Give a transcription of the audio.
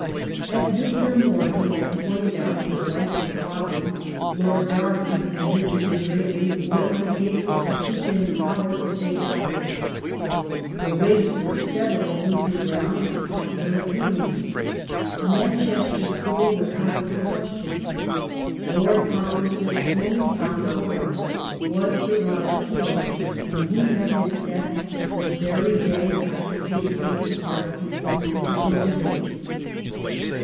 As Mr. Morley has pointed oat in his Life qfCobden, Lord Derby and Mr. Disraeli were an able to keep in power if they got there ; the Whigs were steadily losing gronnd in popalar opinion; the Man chester School was oat of the qaestion. Lord Pal merston*s only possible rival was Sir Robert Peel, and he met his death the very day after he had taken part in the Pacifico debate.